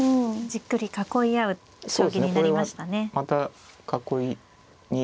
じっくり囲い合う将棋になりましたね。